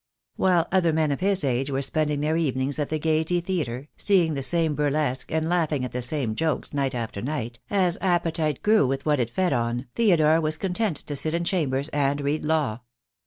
While other men of his age were spending their evenings at the Gaiety Theatre, seeing the same burlesque and laughing at the same jokes night after night, as appetite grew with what it fed on, Theodore was content to sit in chambers and read law.